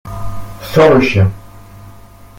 Sors le chien.